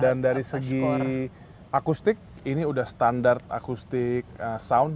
dan dari segi akustik ini sudah standar akustik sound